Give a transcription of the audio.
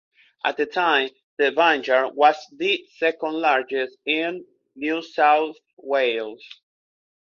At the time the vineyard was the second largest in New South Wales.